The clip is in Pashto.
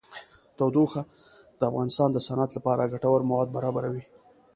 تودوخه د افغانستان د صنعت لپاره ګټور مواد برابروي.